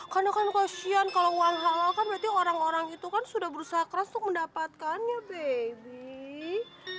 karena kan kasihan kalau uang halal kan berarti orang orang itu kan sudah berusaha keras untuk mendapatkannya baby